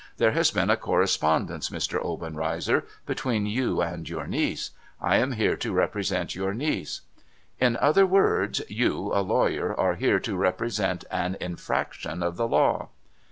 There has been a correspondence, Mr. Obenreizer, between you and your niece. I am here to repre sent your niece.' ' In other words, you, a lawyer, are here to represent an infraction of the law.'